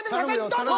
どうぞ！